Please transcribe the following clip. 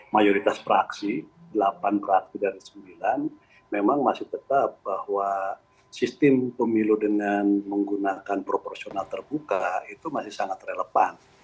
mayoritas praksi delapan praksi dari sembilan memang masih tetap bahwa sistem pemilu dengan menggunakan proporsional terbuka itu masih sangat relevan